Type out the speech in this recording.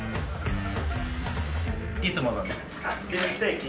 いつものね。